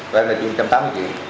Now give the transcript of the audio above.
vậy là chuyện một trăm tám mươi chuyện